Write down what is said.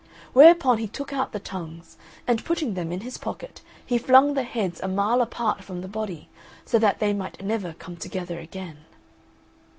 Whereupon he took out the tongues, and putting them in his pocket, he flung the heads a mile apart from the body, so that they might never come together again.